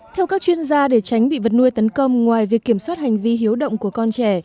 theo các chuyên gia để tránh bị vật nuôi tấn công ngoài việc kiểm soát hành vi hiếu động của con trẻ